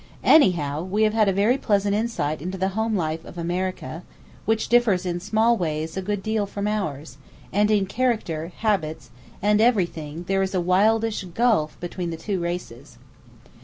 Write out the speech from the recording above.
Anyhow, we have had a very pleasant insight into the home life of America, which differs in small ways a good deal from ours, and in character, habits, and everything there is a widish gulf between the two races.